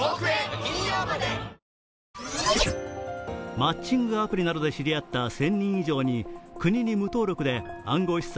マッチングアプリなどで知り合った１０００人以上に国に無登録で暗号資産